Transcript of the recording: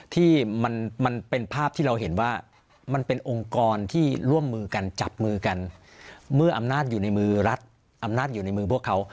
ที่มันเป็นภาพที่เราเห็นว่ามันเป็นองค์กรที่ร่วมมือกันจับมือกันเมื่ออำนาจอยู่ในมือรัฐอำนาจอยู่ในมือพวกเขา